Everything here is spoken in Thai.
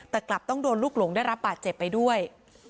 แต่กลับต้องโดนลูกหลงได้รับบาดเจ็บไปด้วย